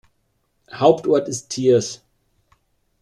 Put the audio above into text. Hauptort ist Thiers.